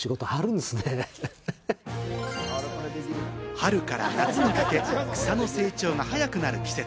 春から夏にかけ、草の成長が早くなる季節。